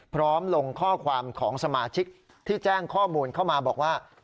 ลงข้อความของสมาชิกที่แจ้งข้อมูลเข้ามาบอกว่า